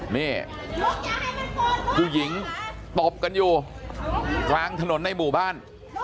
นี่ผู้หญิงตบกันอยู่กลางถนนในหมู่บ้าน